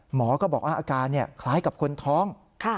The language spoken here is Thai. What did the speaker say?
หมอก็บอกว่าอาการคล้ายกับคนท้อง